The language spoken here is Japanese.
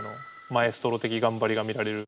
マエストロ的頑張りが見られる。